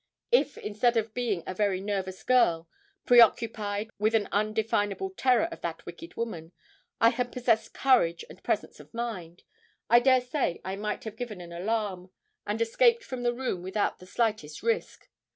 If, instead of being a very nervous girl, preoccupied with an undefinable terror of that wicked woman, I had possessed courage and presence of mind, I dare say I might have given an alarm, and escaped from the room without the slightest risk.